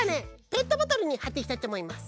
ペットボトルにはっていきたいとおもいます。